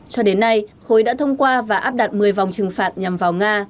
cho đến nay khối đã thông qua và áp đặt một mươi vòng trừng phạt nhằm vào nga